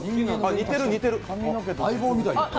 似てる、似てる。